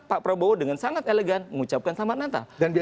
pak prabowo dengan sangat elegan mengucapkan selamat natal